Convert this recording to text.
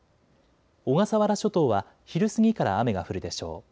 小笠原諸島は昼過ぎから雨が降るでしょう。